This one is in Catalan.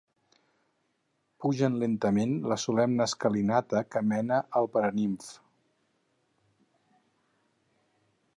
Pugen lentament la solemne escalinata que mena al Paranimf.